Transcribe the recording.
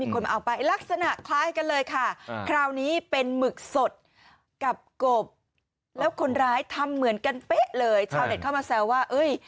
คนมาเอาไปลักษณะคล้ายกันเลยค่ะคราวนี้เป็นหมึกสดกับกบแล้วคนร้ายทำเหมือนกันเป๊ะเลยชาวเน็ตเข้ามาแซวว่าเอ้ย